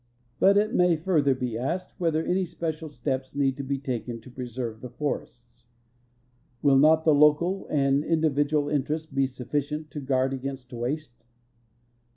But it may further be asked whether any special steps need be taken to preserve the forests. Will not the local and indi vidual interests be sufficient to guard against waste